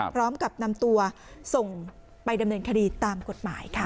พร้อมกับนำตัวส่งไปดำเนินคดีตามกฎหมายค่ะ